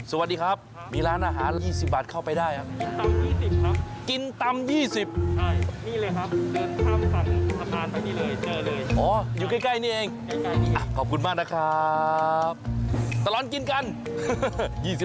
สวัสดีครับมีร้านอาหาร๒๐บาทเข้าไปได้